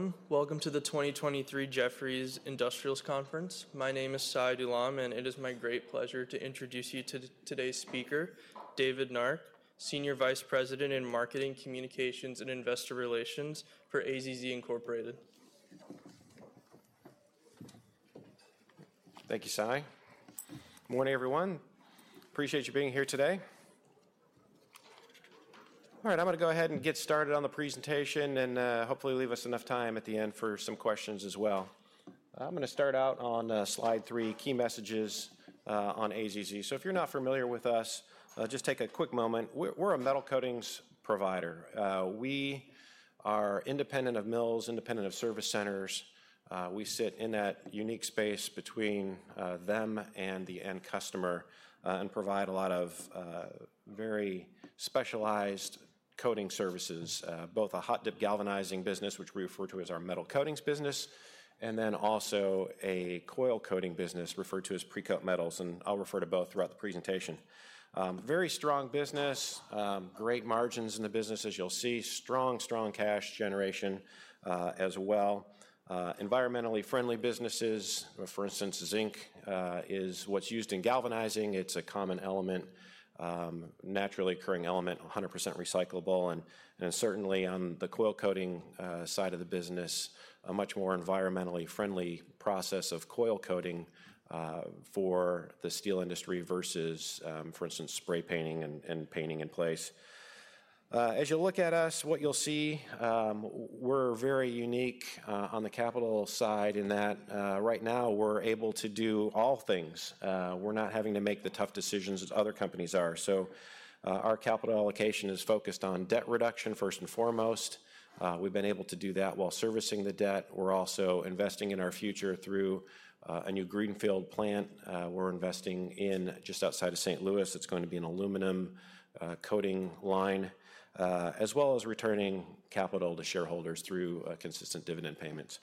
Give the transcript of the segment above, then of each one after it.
Hello, everyone. Welcome to the 2023 Jefferies Industrials Conference. My name is Sai Dulam, and it is my great pleasure to introduce you to today's speaker, David Nark, Senior Vice President in Marketing, Communications, and Investor Relations for AZZ Incorporated. Thank you, Sai. Morning, everyone. Appreciate you being here today. All right, I'm gonna go ahead and get started on the presentation, and hopefully leave us enough time at the end for some questions as well. I'm gonna start out on slide 3, key messages, on AZZ. So if you're not familiar with us, just take a quick moment. We're a metal coatings provider. We are independent of mills, independent of service centers. We sit in that unique space between them and the end customer, and provide a lot of very specialized coating services. Both a hot-dip galvanizing business, which we refer to as our metal coatings business, and then also a coil coating business, referred to as Precoat Metals, and I'll refer to both throughout the presentation. Very strong business, great margins in the business, as you'll see. Strong, strong cash generation, as well. Environmentally Friendly businesses. For instance, zinc is what's used in galvanizing. It's a common element, naturally occurring element, 100% recyclable, and certainly on the coil coating side of the business, a much more environmentally friendly process of coil coating for the steel industry versus, for instance, spray painting and painting in place. As you look at us, what you'll see, we're very unique on the capital side in that, right now we're able to do all things. We're not having to make the tough decisions that other companies are. So, our capital allocation is focused on debt reduction, first and foremost. We've been able to do that while servicing the debt. We're also investing in our future through a new greenfield plant. We're investing in, just outside of St. Louis, it's going to be an aluminum coating line, as well as returning capital to shareholders through consistent dividend payments.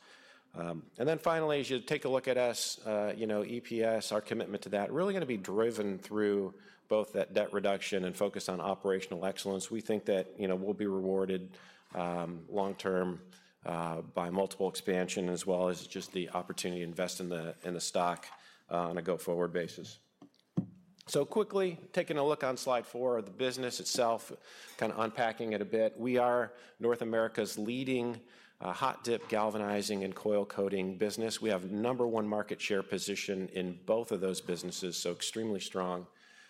And then finally, as you take a look at us, you know, EPS, our commitment to that, really gonna be driven through both that debt reduction and focus on operational excellence. We think that, you know, we'll be rewarded long term by multiple expansion, as well as just the opportunity to invest in the stock on a go-forward basis. So quickly, taking a look on slide four, the business itself, kind of unpacking it a bit. We are North America's leading hot-dip galvanizing and coil coating business. We have number one market share position in both of those businesses, so extremely strong.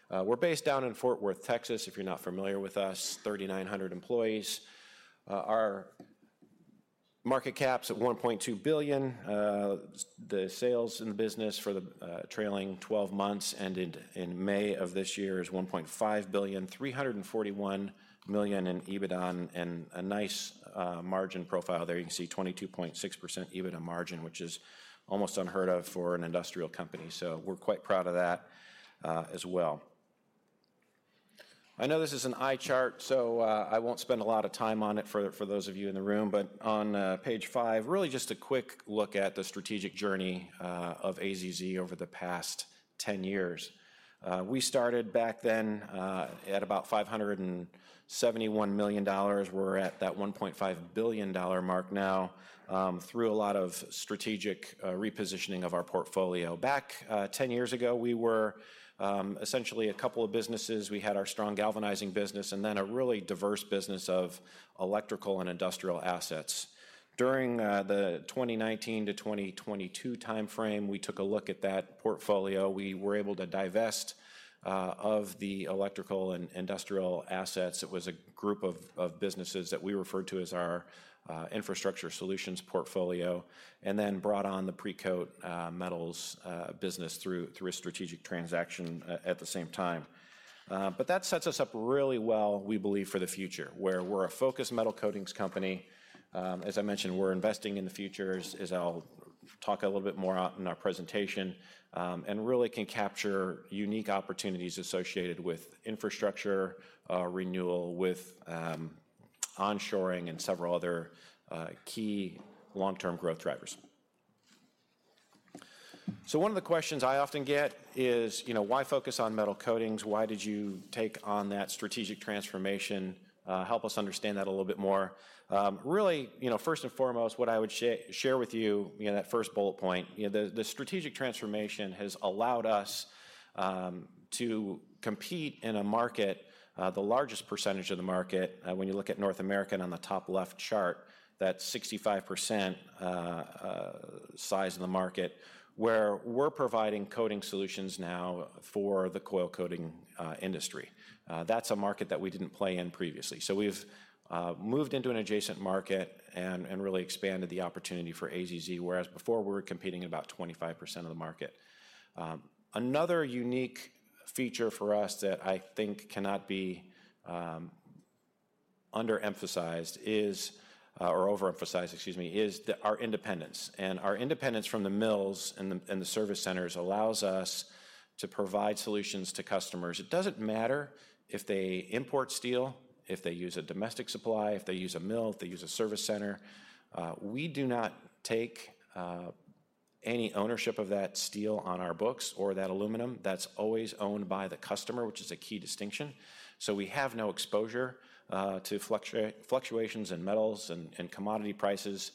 We're based down in Fort Worth, Texas, if you're not familiar with us, 3,900 employees. Our market cap's at $1.2 billion. The sales in the business for the trailing twelve months ended in May of this year is $1.5 billion, $341 million in EBITDA, and a nice margin profile there. You can see 22.6% EBITDA margin, which is almost unheard of for an industrial company, so we're quite proud of that, as well. I know this is an iChart, so I won't spend a lot of time on it for those of you in the room. But on page five, really just a quick look at the strategic journey of AZZ over the past 10 years. We started back then at about $571 million. We're at that $1.5 billion mark now through a lot of strategic repositioning of our portfolio. Back 10 years ago, we were essentially a couple of businesses. We had our strong galvanizing business and then a really diverse business of electrical and industrial assets. During the 2019-2022 timeframe, we took a look at that portfolio. We were able to divest of the electrical and industrial assets. It was a group of businesses that we referred to as our infrastructure solutions portfolio, and then brought on the Precoat Metals business through a strategic transaction at the same time. But that sets us up really well, we believe, for the future, where we're a focused metal coatings company. As I mentioned, we're investing in the future, as I'll talk a little bit more out in our presentation, and really can capture unique opportunities associated with infrastructure renewal, with onshoring and several other key long-term growth drivers. So one of the questions I often get is, you know, "Why focus on metal coatings? Why did you take on that strategic transformation? Help us understand that a little bit more." Really, you know, first and foremost, what I would share with you, you know, that first bullet point, you know, the, the strategic transformation has allowed us to compete in a market, the largest percentage of the market, when you look at North America on the top left chart, that 65%, size of the market, where we're providing coating solutions now for the coil coating industry. That's a market that we didn't play in previously. So we've moved into an adjacent market and really expanded the opportunity for AZZ, whereas before, we were competing in about 25% of the market. Another unique feature for us that I think cannot be underemphasized is, or overemphasized, excuse me, is our independence, and our independence from the mills and the service centers allows us to provide solutions to customers. It doesn't matter if they import steel, if they use a domestic supply, if they use a mill, if they use a service center, we do not take any ownership of that steel on our books or that aluminum, that's always owned by the customer, which is a key distinction. So we have no exposure to fluctuations in metals and commodity prices,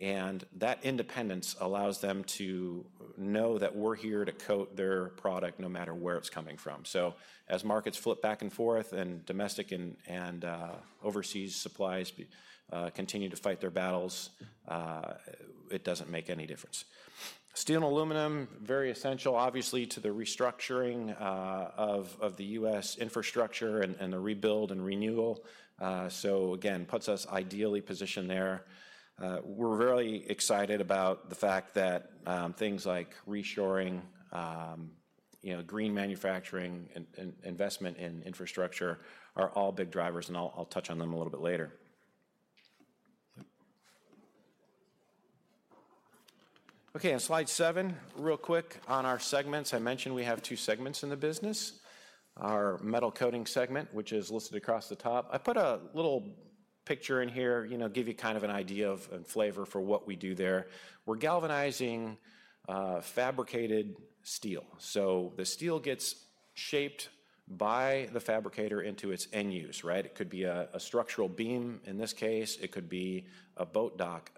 and that independence allows them to know that we're here to coat their product no matter where it's coming from. So as markets flip back and forth, and domestic and overseas supplies continue to fight their battles, it doesn't make any difference. Steel and aluminum, very essential, obviously, to the restructuring of the U.S. infrastructure and the rebuild and renewal. So again, puts us ideally positioned there. We're really excited about the fact that things like reshoring, you know, green manufacturing, investment in infrastructure are all big drivers, and I'll touch on them a little bit later. Okay, on slide seven, real quick on our segments. I mentioned we have two segments in the business. Our Metal Coatings segment, which is listed across the top. I put a little picture in here, you know, give you kind of an idea of and flavor for what we do there. We're galvanizing fabricated steel. So the steel gets shaped by the fabricator into its end use, right? It could be a structural beam, in this case. It could be a boat dock,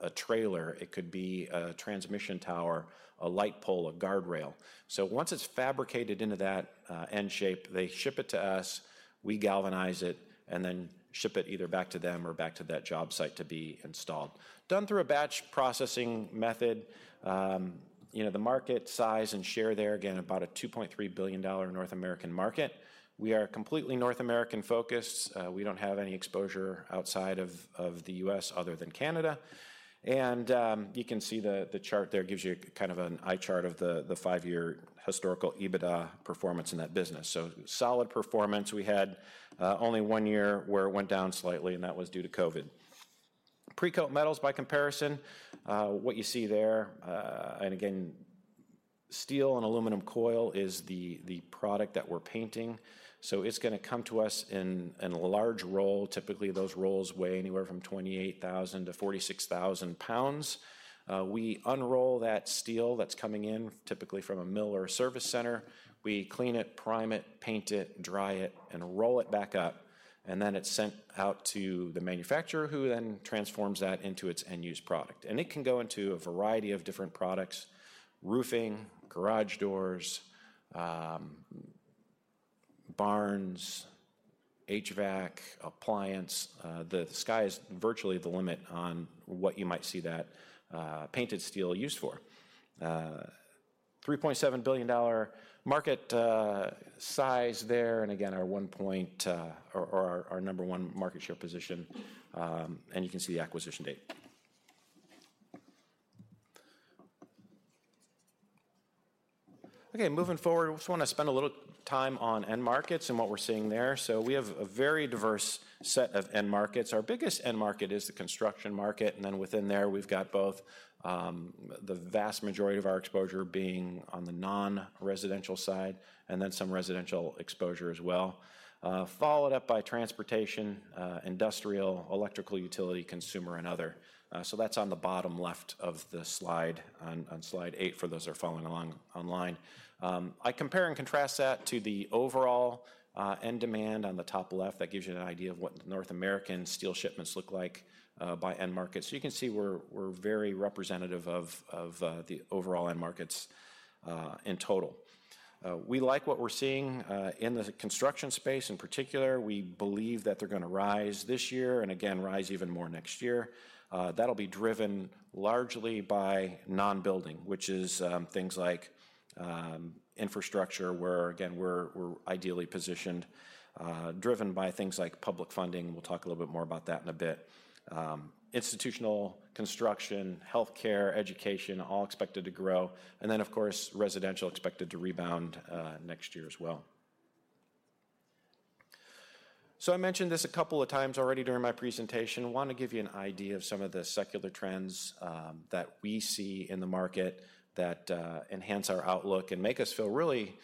a trailer. It could be a transmission tower, a light pole, a guardrail. So once it's fabricated into that end shape, they ship it to us, we galvanize it, and then ship it either back to them or back to that job site to be installed. Done through a batch processing method. You know, the market size and share there, again, about a $2.3 billion North American market. We are completely North American focused. We don't have any exposure outside of the U.S. other than Canada. You can see the chart there gives you kind of an eye chart of the five-year historical EBITDA performance in that business. Solid performance. We had only one year where it went down slightly, and that was due to COVID. Precoat Metals, by comparison, what you see there, and again, steel and aluminum coil is the product that we're painting. So it's gonna come to us in a large roll. Typically, those rolls weigh anywhere from 28,000-46,000 pounds. We unroll that steel that's coming in, typically from a mill or a service center. We clean it, prime it, paint it, dry it, and roll it back up, and then it's sent out to the manufacturer, who then transforms that into its end-use product. And it can go into a variety of different products: roofing, garage doors, barns, HVAC, appliance. The sky is virtually the limit on what you might see that painted steel used for. $3.7 billion market size there, and again, our one point, or our, our number one market share position, and you can see the acquisition date. Okay, moving forward, just wanna spend a little time on end markets and what we're seeing there. So we have a very diverse set of end markets. Our biggest end market is the construction market, and then within there, we've got both, the vast majority of our exposure being on the non-residential side, and then some residential exposure as well. Followed up by transportation, industrial, electrical utility, consumer, and other. So that's on the bottom left of the slide, on, on slide 8, for those who are following along online. I compare and contrast that to the overall, end demand on the top left. That gives you an idea of what North American steel shipments look like by end market. So you can see we're very representative of the overall end markets in total. We like what we're seeing in the construction space in particular. We believe that they're gonna rise this year, and again, rise even more next year. That'll be driven largely by non-building, which is things like infrastructure, where again, we're ideally positioned, driven by things like public funding. We'll talk a little bit more about that in a bit. Institutional construction, healthcare, education, all expected to grow, and then, of course, residential expected to rebound next year as well. So I mentioned this a couple of times already during my presentation. I wanna give you an idea of some of the secular trends that we see in the market that enhance our outlook and make us feel really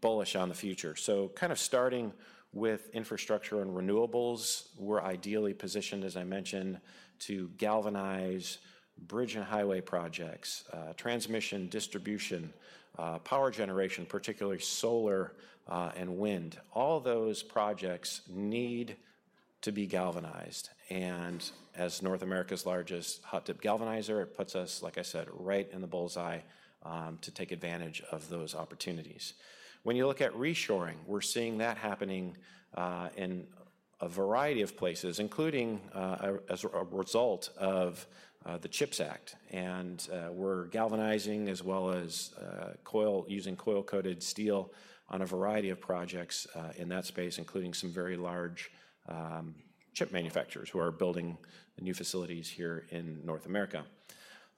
bullish on the future. So kind of starting with infrastructure and renewables, we're ideally positioned, as I mentioned, to galvanize bridge and highway projects, transmission, distribution, power generation, particularly solar and wind. All those projects need to be galvanized, and as North America's largest hot-dip galvanizer, it puts us, like I said, right in the bullseye to take advantage of those opportunities. When you look at reshoring, we're seeing that happening in a variety of places, including as a result of the CHIPS Act. And we're galvanizing as well as using coil-coated steel on a variety of projects in that space, including some very large chip manufacturers who are building new facilities here in North America.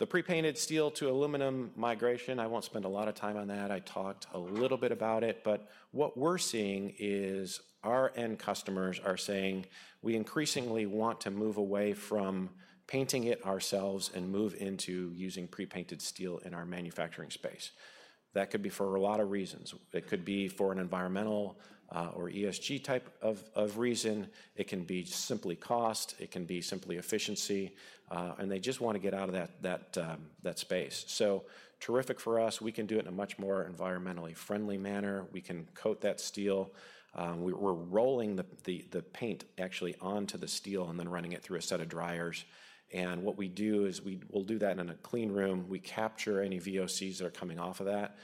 The pre-painted steel to aluminum migration, I won't spend a lot of time on that. I talked a little bit about it, but what we're seeing is our end customers are saying, "We increasingly want to move away from painting it ourselves and move into using pre-painted steel in our manufacturing space." That could be for a lot of reasons. It could be for an environmental or ESG type of reason. It can be simply cost, it can be simply efficiency, and they just wanna get out of that space. So terrific for us. We can do it in a much more environmentally friendly manner. We can coat that steel. We're rolling the paint actually onto the steel and then running it through a set of dryers. And what we do is we'll do that in a clean room. We capture any VOCs that are coming off of that,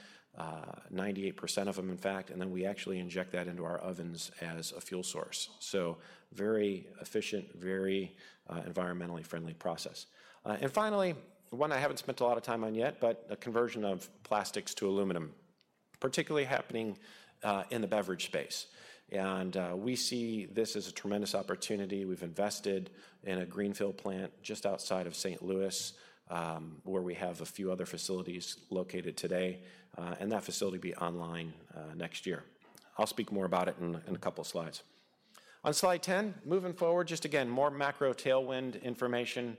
98% of them, in fact, and then we actually inject that into our ovens as a fuel source. So very efficient, very environmentally friendly process. And finally, the one I haven't spent a lot of time on yet, but a conversion of plastics to aluminum, particularly happening in the beverage space. And we see this as a tremendous opportunity. We've invested in a greenfield plant just outside of St. Louis, where we have a few other facilities located today, and that facility will be online next year. I'll speak more about it in a couple of slides. On Slide 10, moving forward, just again, more macro tailwind information.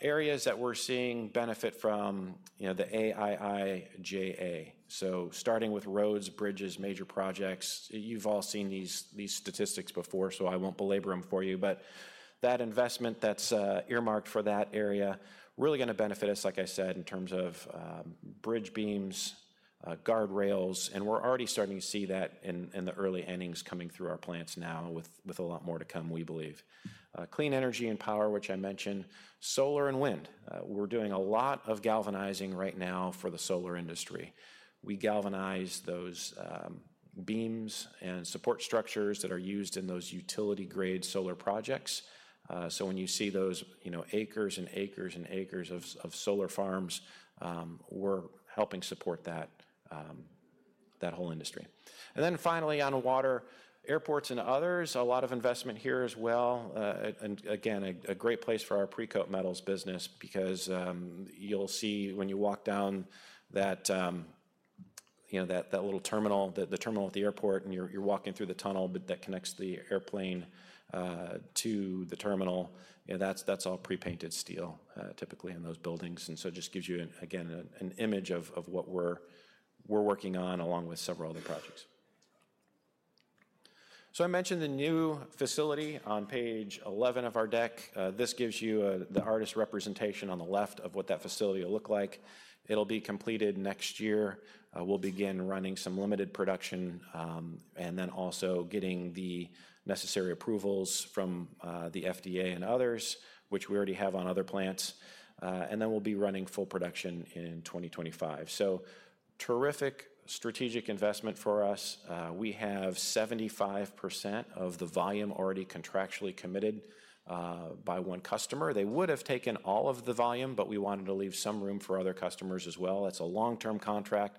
Areas that we're seeing benefit from, you know, the IIJA. So starting with roads, bridges, major projects, you've all seen these statistics before, so I won't belabor them for you. But that investment that's earmarked for that area, really gonna benefit us, like I said, in terms of bridge beams, guardrails, and we're already starting to see that in the early innings coming through our plants now with a lot more to come, we believe. Clean energy and power, which I mentioned, solar and wind. We're doing a lot of galvanizing right now for the solar industry. We galvanize those beams and support structures that are used in those utility-grade solar projects. So when you see those, you know, acres and acres and acres of solar farms, we're helping support that whole industry. And then finally, on water, airports, and others, a lot of investment here as well. And, again, a great place for our Precoat Metals business because you'll see when you walk down that, you know, that little terminal, the terminal at the airport, and you're walking through the tunnel, but that connects the airplane to the terminal, you know, that's all pre-painted steel, typically in those buildings. And so just gives you, again, an image of what we're working on, along with several other projects. So I mentioned the new facility on page 11 of our deck. This gives you the artist's representation on the left of what that facility will look like. It'll be completed next year. We'll begin running some limited production, and then also getting the necessary approvals from the FDA and others, which we already have on other plants. And then we'll be running full production in 2025. So terrific strategic investment for us. We have 75% of the volume already contractually committed by one customer. They would have taken all of the volume, but we wanted to leave some room for other customers as well. That's a long-term contract,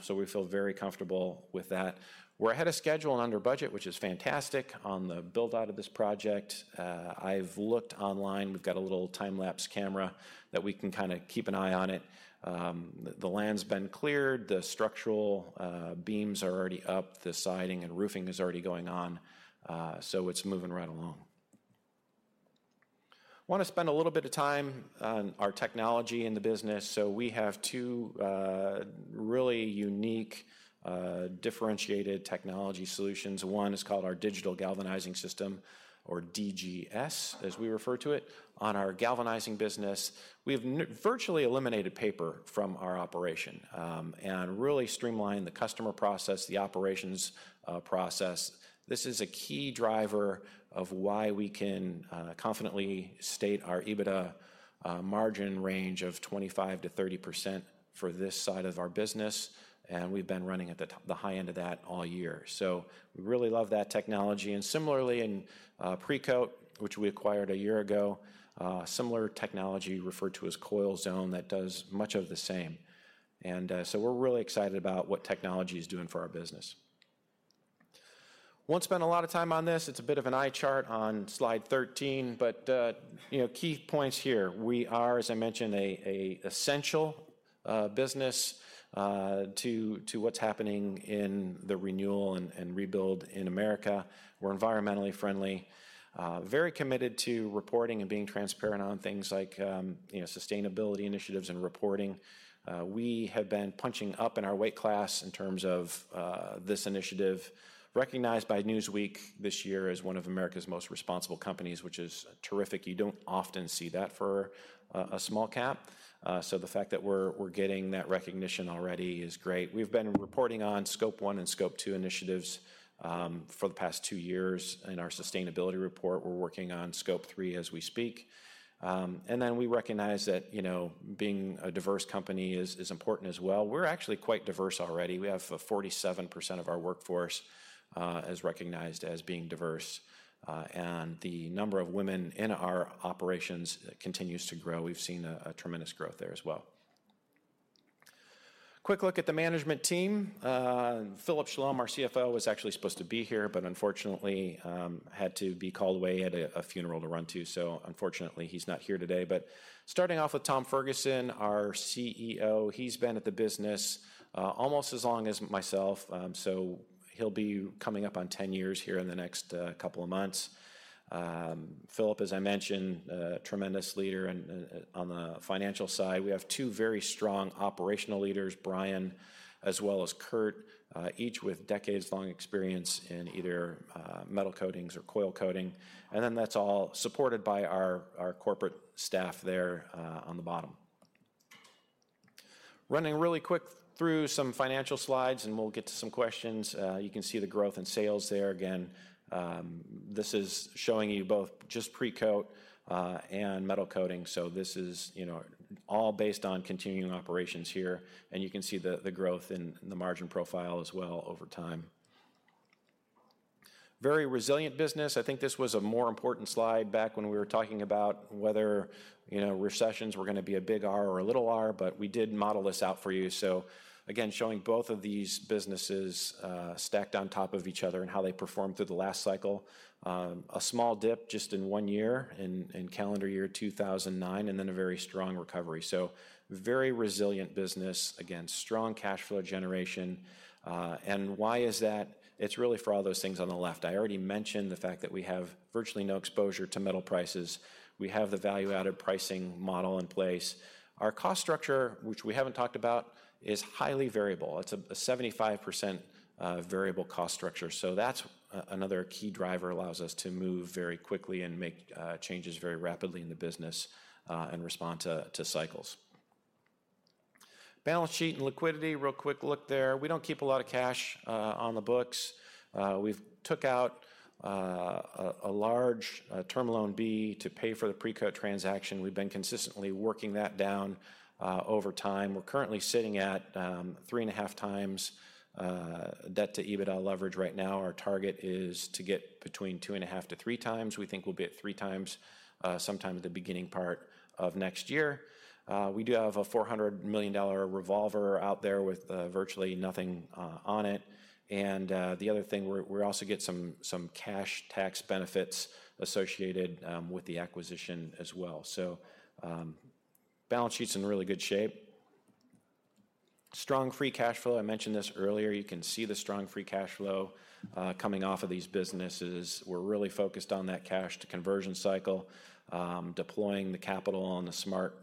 so we feel very comfortable with that. We're ahead of schedule and under budget, which is fantastic, on the build-out of this project. I've looked online. We've got a little time-lapse camera that we can kinda keep an eye on it. The land's been cleared, the structural beams are already up, the siding and roofing is already going on, so it's moving right along. Wanna spend a little bit of time on our technology in the business. So we have two really unique differentiated technology solutions. One is called our Digital Galvanizing System, or DGS, as we refer to it. On our galvanizing business, we have virtually eliminated paper from our operation, and really streamlined the customer process, the operations process. This is a key driver of why we can confidently state our EBITDA margin range of 25%-30% for this side of our business, and we've been running at the high end of that all year. So we really love that technology. And similarly, in Precoat, which we acquired a year ago, similar technology referred to as CoilZone, that does much of the same. And so we're really excited about what technology is doing for our business. Won't spend a lot of time on this. It's a bit of an eye chart on Slide 13, but you know, key points here: We are, as I mentioned, an essential business to what's happening in the renewal and rebuild in America. We're environmentally friendly, very committed to reporting and being transparent on things like, you know, sustainability initiatives and reporting. We have been punching up in our weight class in terms of this initiative, recognized by Newsweek this year as one of America's most responsible companies, which is terrific. You don't often see that for a small cap. So the fact that we're getting that recognition already is great. We've been reporting on Scope One and Scope Two initiatives for the past two years in our sustainability report. We're working on Scope Three as we speak. And then we recognize that, you know, being a diverse company is important as well. We're actually quite diverse already. We have 47% of our workforce as recognized as being diverse, and the number of women in our operations continues to grow. We've seen a tremendous growth there as well. Quick look at the management team. Philip Schlom, our CFO, was actually supposed to be here, but unfortunately had to be called away. He had a funeral to run to, so unfortunately, he's not here today. Starting off with Tom Ferguson, our CEO, he's been at the business, almost as long as myself. He'll be coming up on 10 years here in the next couple of months. Philip, as I mentioned, a tremendous leader on the financial side. We have two very strong operational leaders, Bryan, as well as Kurt, each with decades-long experience in either metal coatings or coil coating. That's all supported by our corporate staff there, on the bottom. Running really quick through some financial slides, and we'll get to some questions. You can see the growth in sales there. Again, this is showing you both just Precoat and metal coating. So this is, you know, all based on continuing operations here, and you can see the growth in the margin profile as well over time. Very resilient business. I think this was a more important slide back when we were talking about whether, you know, recessions were gonna be a big R or a little R, but we did model this out for you. So again, showing both of these businesses stacked on top of each other and how they performed through the last cycle. A small dip just in one year, in calendar year 2009, and then a very strong recovery. So very resilient business. Again, strong cash flow generation. And why is that? It's really for all those things on the left. I already mentioned the fact that we have virtually no exposure to metal prices. We have the value-added pricing model in place. Our cost structure, which we haven't talked about, is highly variable. It's a 75% variable cost structure, so that's another key driver, allows us to move very quickly and make changes very rapidly in the business and respond to cycles. Balance sheet and liquidity, real quick look there. We don't keep a lot of cash on the books. We've took out a large term loan B to pay for the Precoat transaction. We've been consistently working that down over time. We're currently sitting at 3.5 times debt to EBITDA leverage right now. Our target is to get between 2.5 to 3 times. We think we'll be at 3 times sometime at the beginning part of next year. We do have a $400 million revolver out there with virtually nothing on it. And the other thing, we're also getting some cash tax benefits associated with the acquisition as well. So, balance sheet's in really good shape. Strong free cash flow, I mentioned this earlier. You can see the strong free cash flow coming off of these businesses. We're really focused on that cash to conversion cycle, deploying the capital in a smart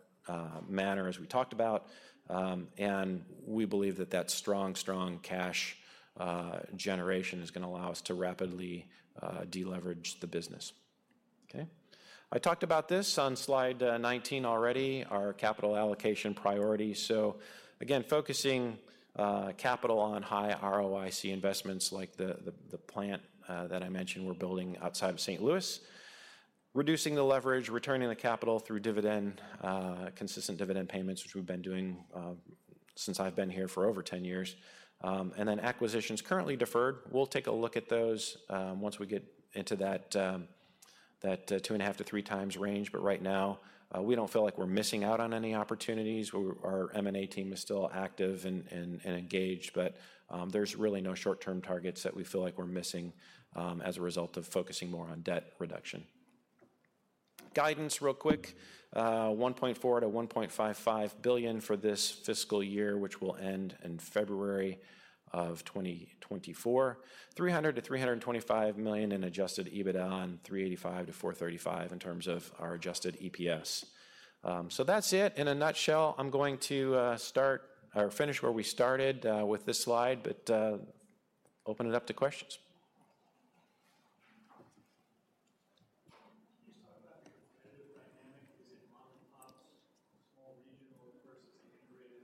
manner, as we talked about. And we believe that that strong cash generation is gonna allow us to rapidly de-leverage the business. Okay? I talked about this on slide 19 already, our capital allocation priority. So again, focusing capital on high ROIC investments, like the plant that I mentioned we're building outside of St. Louis. Reducing the leverage, returning the capital through dividend, consistent dividend payments, which we've been doing, since I've been here for over 10 years. Then acquisitions, currently deferred. We'll take a look at those, once we get into that 2.5-3 times range, but right now, we don't feel like we're missing out on any opportunities. Our M&A team is still active and engaged, but, there's really no short-term targets that we feel like we're missing, as a result of focusing more on debt reduction. Guidance, real quick, $1.4 billion-$1.55 billion for this fiscal year, which will end in February of 2024. $300 million-$325 million in adjusted EBITDA and $3.85-$4.35 in terms of our adjusted EPS. So that's it in a nutshell. I'm going to start or finish where we started with this slide, but open it up to questions. Can you just talk about the competitive dynamic? Is it mom and pops, small regional versus integrated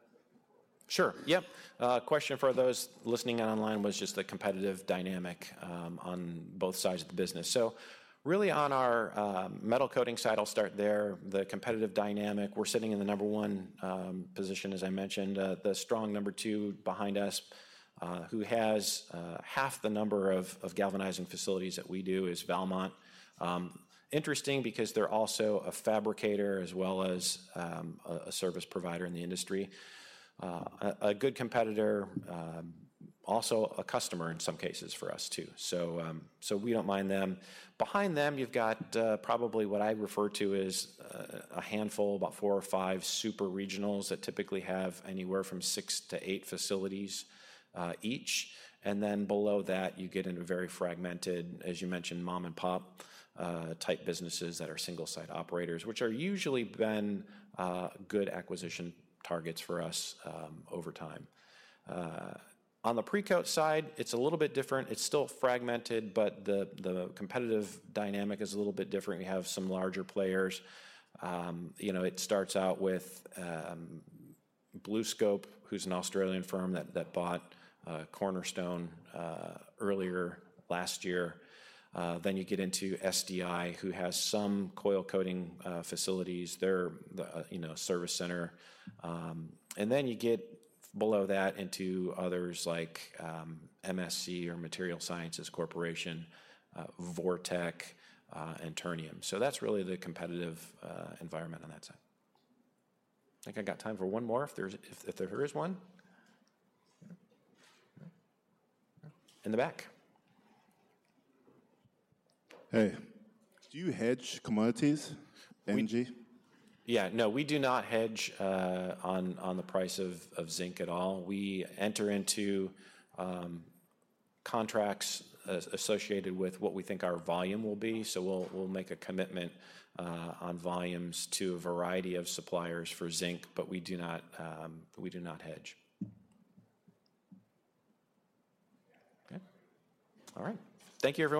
as a group? Sure, yep. Question for those listening in online was just the competitive dynamic on both sides of the business. So really on our metal coatings side, I'll start there, the competitive dynamic, we're sitting in the number one position, as I mentioned. The strong number two behind us, who has half the number of galvanizing facilities that we do, is Valmont. Interesting because they're also a fabricator as well as a service provider in the industry. A good competitor, also a customer in some cases for us, too. So we don't mind them. Behind them, you've got, probably what I'd refer to as, a handful, about four or five super regionals that typically have anywhere from six to eight facilities, each, and then below that, you get into very fragmented, as you mentioned, mom-and-pop, type businesses that are single-site operators, which are usually been, good acquisition targets for us, over time. On the Precoat side, it's a little bit different. It's still fragmented, but the, the competitive dynamic is a little bit different. We have some larger players. You know, it starts out with, BlueScope, who's an Australian firm that, that bought, Cornerstone, earlier last year. Then you get into SDI, who has some coil coating, facilities. They're the, you know, service center. And then you get below that into others like, MSC or Material Sciences Corporation, Vortech, and Ternium. So that's really the competitive environment on that side. I think I got time for one more, if there's, if there is one. In the back. Hey, do you hedge commodities, NG? Yeah. No, we do not hedge on the price of zinc at all. We enter into contracts associated with what we think our volume will be, so we'll make a commitment on volumes to a variety of suppliers for zinc, but we do not hedge. Okay. All right. Thank you, everyone.